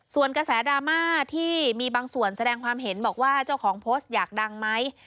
ส่วนกระแสดราม่าที่มีบางส่วนแสดงความเห็นบอกว่าเจ้าของโพสต์อยากดังไหม